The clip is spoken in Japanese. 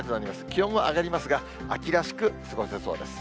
気温も上がりますが、秋らしく過ごせそうです。